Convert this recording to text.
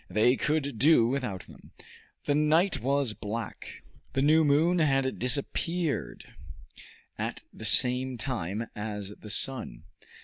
They could do without them. The night was black. The new moon had disappeared at the same time as the sun.